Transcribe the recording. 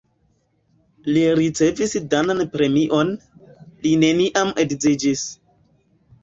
Li ricevis danan premion, li neniam edziĝis.